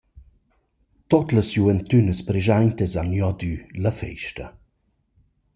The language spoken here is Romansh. Tuot las giuventünas preschaintas han giodü la festa.